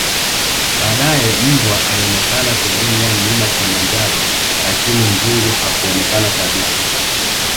baadae mbwa alionekana pembeni ya mlima kilimanjaro lakini mzungu hakuonekana kabisa